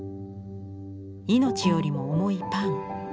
命よりも重いパン。